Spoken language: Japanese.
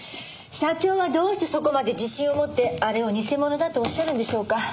社長はどうしてそこまで自信を持ってあれを偽物だとおっしゃるんでしょうか？